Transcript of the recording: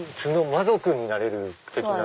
魔族になれる的な？